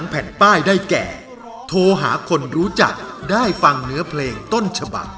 แผ่นป้ายได้แก่โทรหาคนรู้จักได้ฟังเนื้อเพลงต้นฉบัก